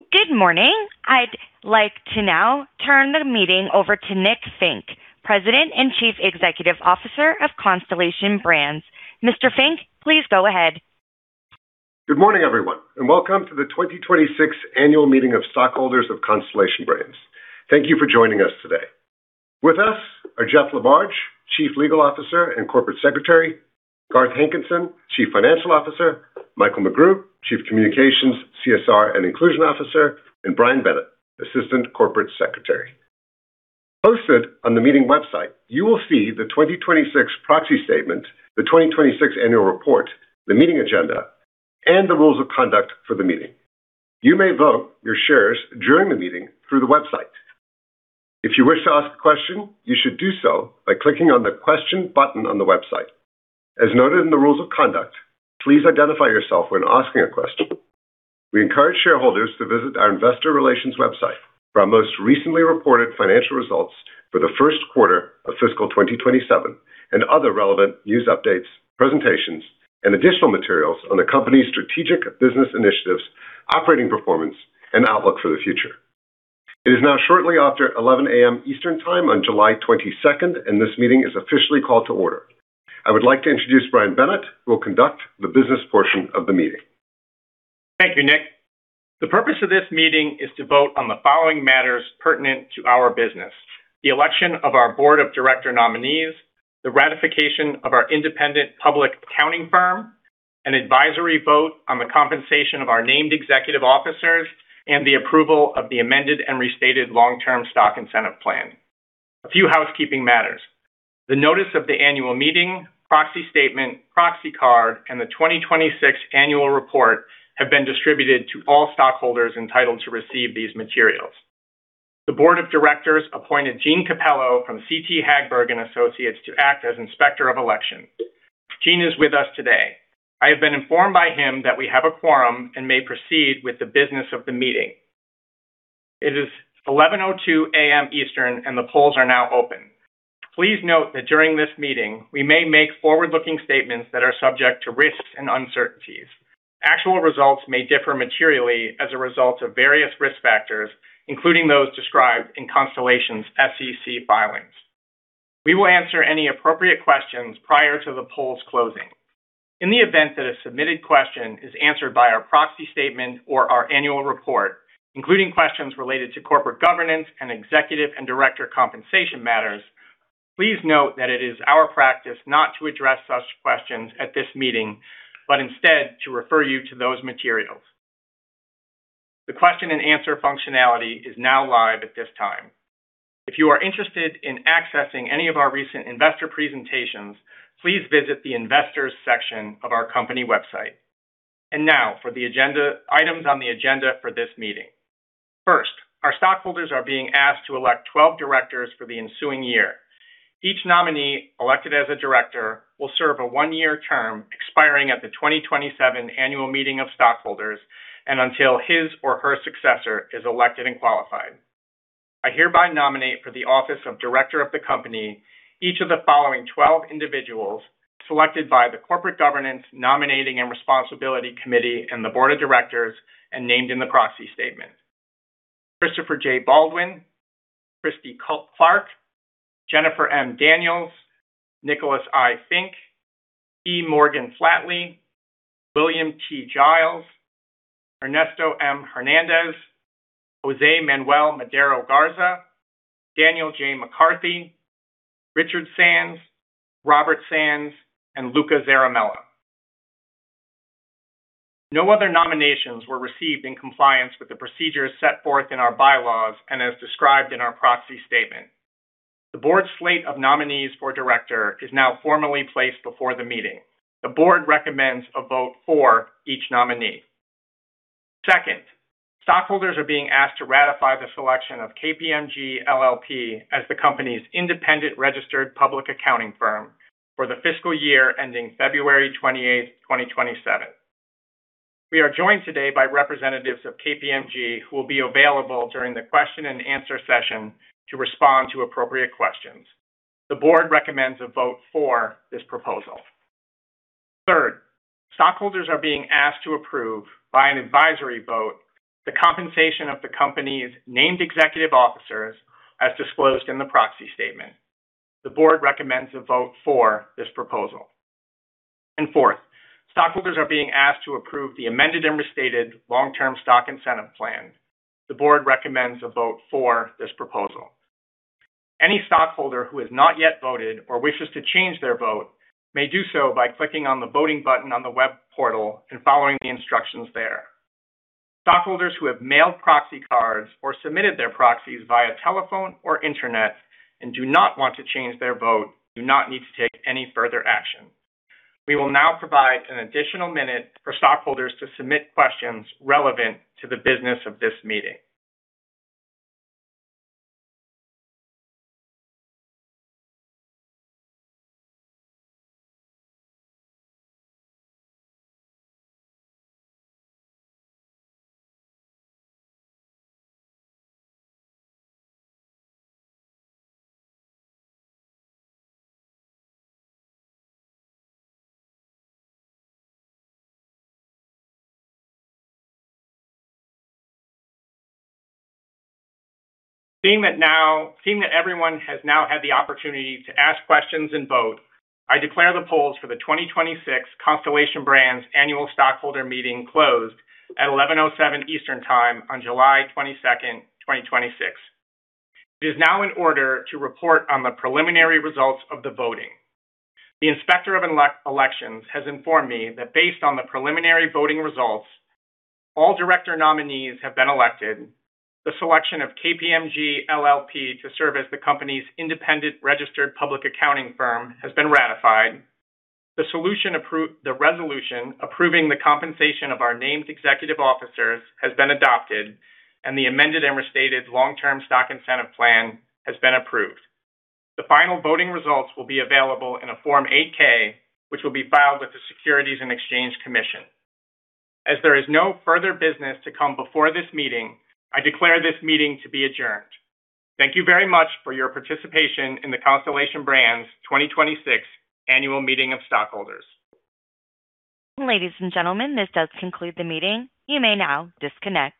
Good morning. I'd like to now turn the meeting over to Nick Fink, President and Chief Executive Officer of Constellation Brands. Mr. Fink, please go ahead. Good morning, everyone, and welcome to the 2026 annual meeting of stockholders of Constellation Brands. Thank you for joining us today. With us are Jeff LaBarge, Chief Legal Officer and Corporate Secretary, Garth Hankinson, Chief Financial Officer, Michael McGrew, Chief Communications, CSR, and Inclusion Officer, and Brian Bennett, Assistant Corporate Secretary. Posted on the meeting website, you will see the 2026 proxy statement, the 2026 annual report, the meeting agenda, and the rules of conduct for the meeting. You may vote your shares during the meeting through the website. If you wish to ask a question, you should do so by clicking on the question button on the website. As noted in the rules of conduct, please identify yourself when asking a question. We encourage shareholders to visit our investor relations website for our most recently reported financial results for the first quarter of fiscal 2027 and other relevant news updates, presentations, and additional materials on the company's strategic business initiatives, operating performance, and outlook for the future. It is now shortly after 11:00 A.M. Eastern Time on July 22nd, and this meeting is officially called to order. I would like to introduce Brian Bennett, who will conduct the business portion of the meeting. Thank you, Nick. The purpose of this meeting is to vote on the following matters pertinent to our business: the election of our Board of Director nominees, the ratification of our independent public accounting firm, an advisory vote on the compensation of our named executive officers, and the approval of the amended and restated long-term stock incentive plan. A few housekeeping matters. The notice of the annual meeting, proxy statement, proxy card, and the 2026 annual report have been distributed to all stockholders entitled to receive these materials. The Board of Directors appointed Gene Capello from CT Hagberg & Associates to act as Inspector of Election. Gene is with us today. I have been informed by him that we have a quorum and may proceed with the business of the meeting. It is 11:02 A.M. Eastern, and the polls are now open. Please note that during this meeting, we may make forward-looking statements that are subject to risks and uncertainties. Actual results may differ materially as a result of various risk factors, including those described in Constellation's SEC filings. We will answer any appropriate questions prior to the polls closing. In the event that a submitted question is answered by our proxy statement or our annual report, including questions related to corporate governance and executive and director compensation matters, please note that it is our practice not to address such questions at this meeting, but instead to refer you to those materials. The question and answer functionality is now live at this time. If you are interested in accessing any of our recent investor presentations, please visit the investors section of our company website. Now, for the items on the agenda for this meeting. First, our stockholders are being asked to elect 12 directors for the ensuing year. Each nominee elected as a director will serve a one-year term expiring at the 2027 annual meeting of stockholders and until his or her successor is elected and qualified. I hereby nominate for the office of director of the company each of the following 12 individuals selected by the Corporate Governance, Nominating, and Responsibility Committee and the Board of Directors and named in the proxy statement: Christopher J. Baldwin, Christy Clark, Jennifer M. Daniels, Nicholas I. Fink, E. Morgan Flatley, William T. Giles, Ernesto M. Hernández, Jose Manuel Madero Garza, Daniel J. McCarthy, Richard Sands, Robert Sands, and Luca Zaramella. No other nominations were received in compliance with the procedures set forth in our bylaws and as described in our proxy statement. The Board slate of nominees for director is now formally placed before the meeting. The board recommends a vote for each nominee. Second, stockholders are being asked to ratify the selection of KPMG LLP as the company's independent registered public accounting firm for the fiscal year ending February 28th, 2027. We are joined today by representatives of KPMG, who will be available during the question and answer session to respond to appropriate questions. The Board recommends a vote for this proposal. Third, stockholders are being asked to approve by an advisory vote the compensation of the company's named executive officers as disclosed in the proxy statement. The Board recommends a vote for this proposal. Fourth, stockholders are being asked to approve the amended and restated long-term stock incentive plan. The Board recommends a vote for this proposal. Any stockholder who has not yet voted or wishes to change their vote may do so by clicking on the voting button on the web portal and following the instructions there. Stockholders who have mailed proxy cards or submitted their proxies via telephone or internet and do not want to change their vote do not need to take any further action. We will now provide an additional minute for stockholders to submit questions relevant to the business of this meeting. Seeing that everyone has now had the opportunity to ask questions and vote, I declare the polls for the 2026 Constellation Brands Annual Stockholder Meeting closed at 11:07 A.M. Eastern Time on July 22nd, 2026. It is now in order to report on the preliminary results of the voting. The Inspector of Elections has informed me that based on the preliminary voting results, all director nominees have been elected, the selection of KPMG LLP to serve as the company's independent registered public accounting firm has been ratified, the resolution approving the compensation of our named executive officers has been adopted, and the amended and restated long-term stock incentive plan has been approved. The final voting results will be available in a Form 8-K, which will be filed with the Securities and Exchange Commission. As there is no further business to come before this meeting, I declare this meeting to be adjourned. Thank you very much for your participation in the Constellation Brands 2026 Annual Meeting of Stockholders. Ladies and gentlemen, this does conclude the meeting. You may now disconnect.